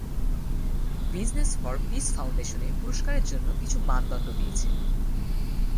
Business for peace foundation এ পুরস্কারের জন্য কিছু মানদণ্ড দিয়েছে।